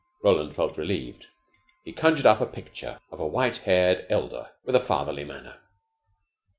Roland felt relieved. He conjured up a picture of a white haired elder with a fatherly manner.